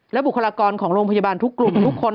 บุคลากรของโรงพยาบาลทุกกลุ่มทุกคน